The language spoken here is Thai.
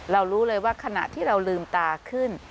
รู้เลยว่าขณะที่เราลืมตาขึ้น